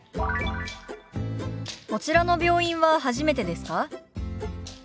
「こちらの病院は初めてですか？」。